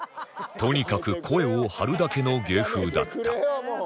とにかく声を張るだけの芸風だった